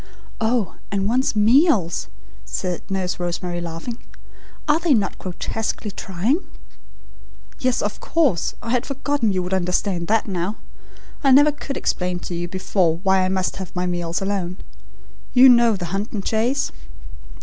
'" "Oh, and one's meals," said Nurse Rosemary laughing. "Are they not grotesquely trying?" "Yes, of course; I had forgotten you would understand all that now. I never could explain to you before why I must have my meals alone. You know the hunt and chase?"